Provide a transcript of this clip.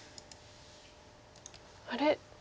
あれ？